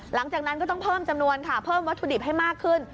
หลังจากนั้นก็ต้องเพิ่มจำนวนค่ะเพิ่มวัตถุดิบให้มากขึ้น